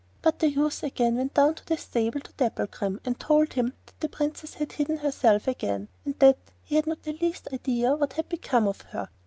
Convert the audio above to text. But the youth again went down to the stable to Dapplegrim, and told him that the Princess had hidden herself again, and that he had not the least idea what had become of her.